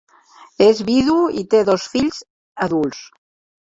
És vidu i té dos fills adults.